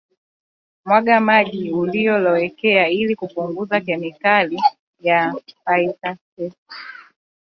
mwaga maji uliyolowekea ili kupunguza kemikali ya phytates